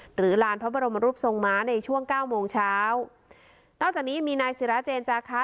หรือลานพระบรมรูปทรงม้าในช่วงเก้าโมงเช้านอกจากนี้มีนายศิราเจนจาคะ